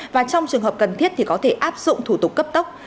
và trong trường hợp cần thiết thì có thể áp dụng thủ tục cấp tốc